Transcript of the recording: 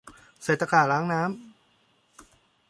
ใส่ตะกร้าล้างน้ำ